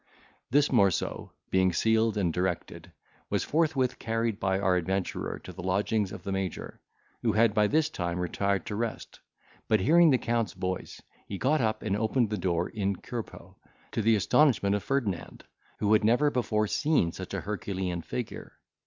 This morceau being sealed and directed, was forthwith carried by our adventurer to the lodgings of the major, who had by this time retired to rest, but hearing the Count's voice, he got up and opened the door in cuerpo, to the astonishment of Ferdinand, who had never before seen such an Herculean figure.